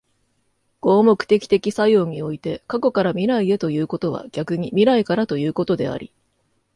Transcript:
合目的的作用において、過去から未来へということは逆に未来からということであり、